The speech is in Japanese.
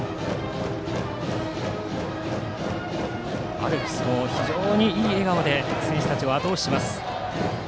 アルプスも非常にいい笑顔で選手たちをあと押ししています。